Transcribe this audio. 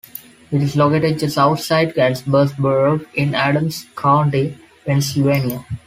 It is located just outside Gettysburg Borough, in Adams County, Pennsylvania.